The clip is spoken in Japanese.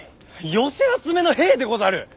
寄せ集めの兵でござる！